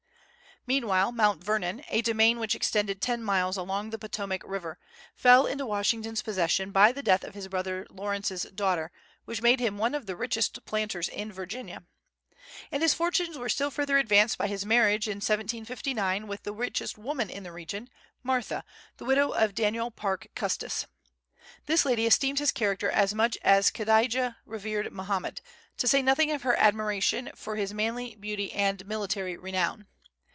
Meanwhile, Mount Vernon, a domain which extended ten miles along the Potomac River, fell into Washington's possession by the death of his brother Lawrence's daughter, which made him one of the richest planters in Virginia. And his fortunes were still further advanced by his marriage in 1759 with the richest woman in the region, Martha, the widow of Daniel Parke Custis. This lady esteemed his character as much as Kadijah revered Mohammed, to say nothing of her admiration for his manly beauty and military renown.